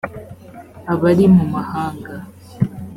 abari mu mahanga